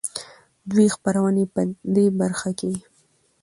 دې خپرونې په د برخه کې